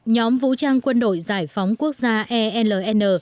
nhóm vũ trang quân đội giải phóng quốc gia el